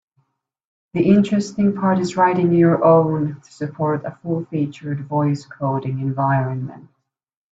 The interesting part is writing your own to support a full-featured voice coding environment.